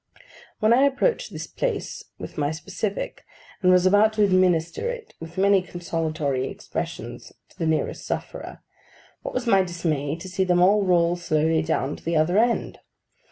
When I approached this place with my specific, and was about to administer it with many consolatory expressions to the nearest sufferer, what was my dismay to see them all roll slowly down to the other end!